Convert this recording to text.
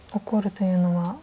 「怒る」というのは。